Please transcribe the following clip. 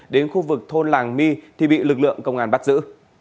đến khu vực thôn làng my thì bị lực lượng công an bắt giữ